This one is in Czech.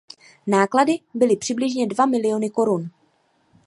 Náklady byly přibližně dva miliony korun.